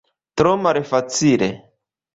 Tro malfacile.